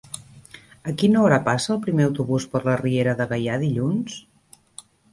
A quina hora passa el primer autobús per la Riera de Gaià dilluns?